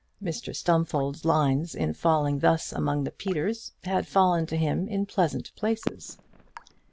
Mr Stumfold's lines in falling thus among the Peters, had fallen to him in pleasant places.